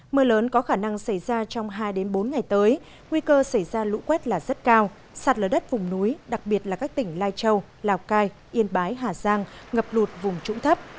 mưa lớn có khả năng xảy ra trong hai bốn ngày tới nguy cơ xảy ra lũ quét là rất cao sạt lở đất vùng núi đặc biệt là các tỉnh lai châu lào cai yên bái hà giang ngập lụt vùng trũng thấp